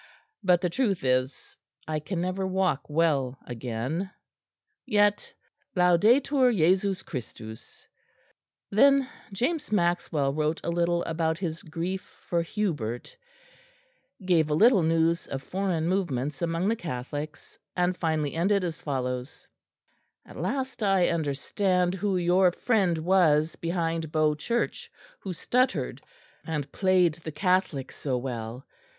But the truth is, I can never walk well again yet laudetur Jesus Christus." Then James Maxwell wrote a little about his grief for Hubert; gave a little news of foreign movements among the Catholics; and finally ended as follows: "At last I understand who your friend was behind Bow Church, who stuttered and played the Catholic so well.